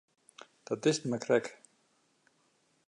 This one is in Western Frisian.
Dat is it him mar krekt.